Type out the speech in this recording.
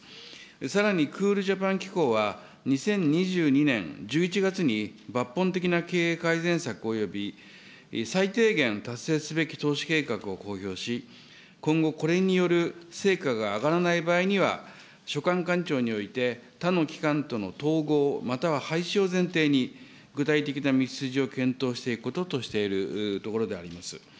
さらにクールジャパン機構は、２０２２年１１月に、抜本的な経営改善策および最低限達成すべき投資計画を公表し、今後、これによる成果が上がらない場合には、所管官庁において他の機関との統合または廃止を前提に、具体的な道筋を検討していくこととしているところであります。